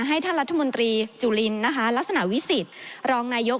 ให้ท่านรัฐมนตรีจุลินนะคะลักษณะวิสิทธิ์รองนายก